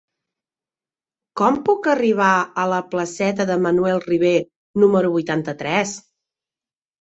Com puc arribar a la placeta de Manuel Ribé número vuitanta-tres?